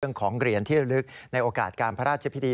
ของเหรียญที่ระลึกในโอกาสการพระราชพิธี